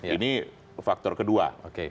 ini faktor kedua